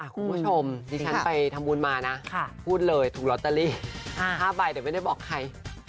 คุณผู้ชมดิฉันไปทำบุญมานะพูดเลยถูกลอตเตอรี่๕ใบแต่ไม่ได้บอกใคร